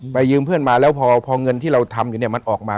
ยืมเพื่อนมาแล้วพอเงินที่เราทำอยู่เนี่ยมันออกมา